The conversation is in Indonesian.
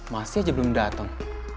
masih aja belum dateng